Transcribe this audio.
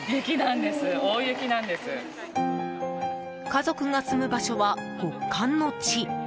家族が住む場所は、極寒の地。